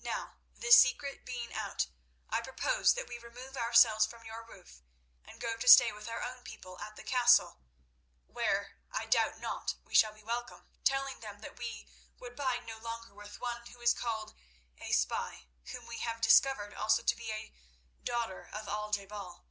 Now, this secret being out, I propose that we remove ourselves from your roof, and go to stay with our own people at the castle, where, I doubt not, we shall be welcome, telling them that we would bide no longer with one who is called a spy, whom we have discovered also to be a 'daughter of Al je bal.